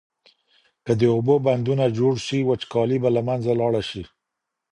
که د اوبو بندونه جوړ سي وچکالي به له منځه لاړه سي.